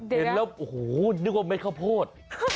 เห็นแล้วโอ้โหนึกว่าเม็ดข้าวโพด